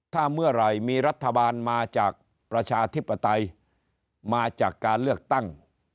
ถ้าเมื่อไหร่มีรัฐบาลมาจากประชาธิปไตยมาจากการเลือกตั้ง